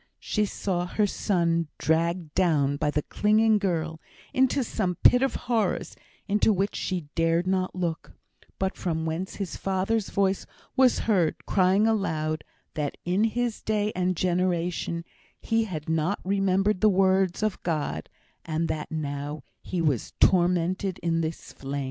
She saw her son dragged down by the clinging girl into some pit of horrors into which she dared not look, but from whence his father's voice was heard, crying aloud, that in his day and generation he had not remembered the words of God, and that now he was "tormented in this flame."